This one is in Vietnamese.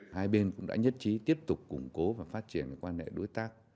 hai bên cũng đã nhất trí tiếp tục củng cố và phát triển quan hệ đối tác